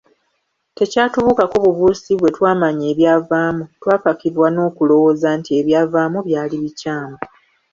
Tekyatubuukako bubuusi bwe twamanya ebyavaamu, twakakibwa n’okulowooza nti ebyavaamu byali bikyamu.